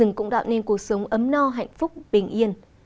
nó là nơi của cuộc sống ấm no hạnh phúc bình yên